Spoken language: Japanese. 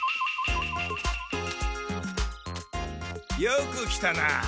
よく来たな。